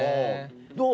どう？